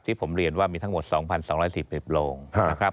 ที่ผมเรียนว่ามีทั้งหมด๒๒๔๐เป็นโปร่งนะครับ